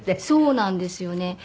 そうなんですよね。